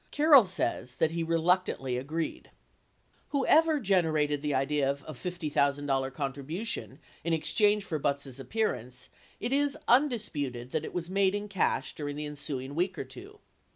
Carroll says that he "reluctantly" agreed. Whoever generated the idea of a $50,000 contribution in exchange for Butz' appearance, it is undisputed that it was made in cash during the ensuing week or two.